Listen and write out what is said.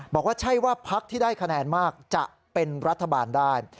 บอกว่าใช่ว่าพักที่ได้คะแนนมากจะเป็นรัฐบาลได้